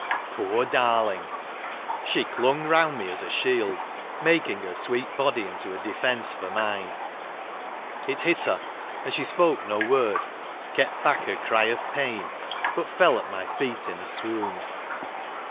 Poor darling ! she clung round ine as a shield, making her sweet body into a defence for mine. It hit her, and she spoke no word, kept back her cry of pain, but fell at my feet in a swoon.